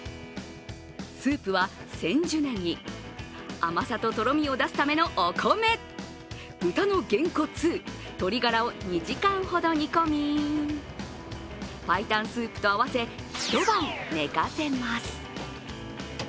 スープは千住ねぎ、甘さととろみを出すためのお米、豚のゲンコツ、鶏がらを２時間ほど煮込み、パイタンスープと合わせ一晩寝かせます。